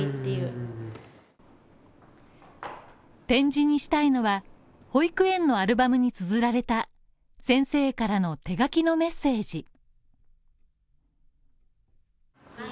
点字にしたいのは、保育園のアルバムに綴られた先生からの手書きのメッセージ。